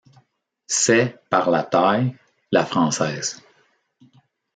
C'est, par la taille, la française.